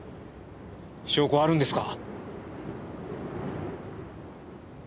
証拠あるんですか？